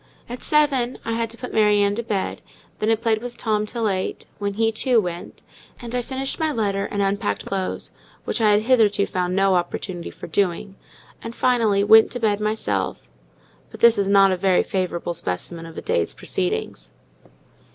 At seven I had to put Mary Ann to bed; then I played with Tom till eight, when he, too, went; and I finished my letter and unpacked my clothes, which I had hitherto found no opportunity for doing, and, finally, went to bed myself. But this is a very favourable specimen of a day's proceedings.